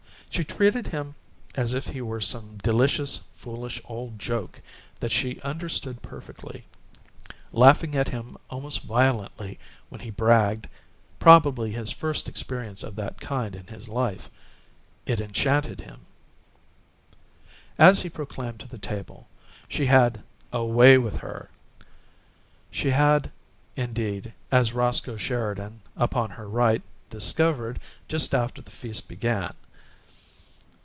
She treated him as if he were some delicious, foolish old joke that she understood perfectly, laughing at him almost violently when he bragged probably his first experience of that kind in his life. It enchanted him. As he proclaimed to the table, she had "a way with her." She had, indeed, as Roscoe Sheridan, upon her right, discovered just after the feast began.